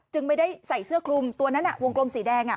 ไม่ได้ใส่เสื้อคลุมตัวนั้นวงกลมสีแดง